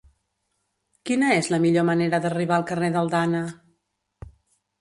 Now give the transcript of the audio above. Quina és la millor manera d'arribar al carrer d'Aldana?